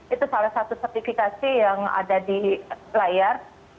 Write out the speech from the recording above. itu salah satu sertifikasi yang ada di layar